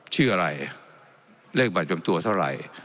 ชื่ออะไรเลขบัตรประจำตัวเท่าไหร่